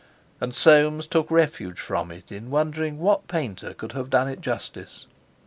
And Soames took refuge from it in wondering what painter could have done it justice.